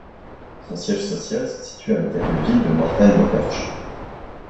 Son siège social se situe à l'hôtel de Ville de Mortagne-au-Perche.